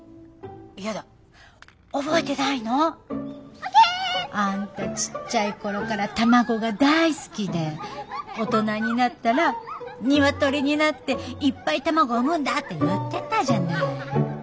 やだ覚えてないの？あんたちっちゃい頃から卵が大好きで大人になったらニワトリになっていっぱい卵を産むんだって言ってたじゃない？